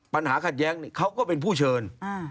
ปัญหาขัดแย้งเขาก็เป็นผู้เชิญ